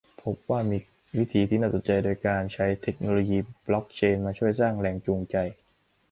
พบว่ามีวิธีที่น่าสนใจโดยการใช้เทคโนโลยีบล็อกเชนจ์มาช่วยสร้างแรงจูงใจ